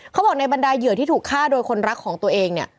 เขาบอกในบรรดาเหยื่อที่ถูกฆ่าโดยคนรักของตัวเองเนี่ย